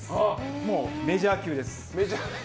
もう、メジャー級です。